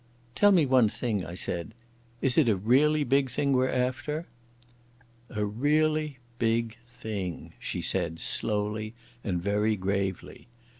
"Tell me one thing," I said. "Is it a really big thing we're after?" "A—really—big—thing," she said slowly and very gravely.